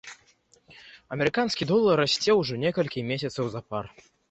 Амерыканскі долар расце ўжо некалькі месяцаў запар.